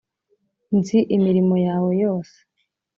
‘Nzi imirimo yawe yose